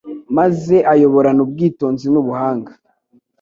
maze abayoborana ubwitonzi n’ubuhanga